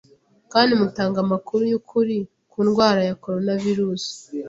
kandi mutanga amakuru y’ukuri ku ndwara ya coronavirus